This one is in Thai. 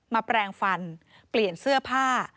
แปลงฟันเปลี่ยนเสื้อผ้า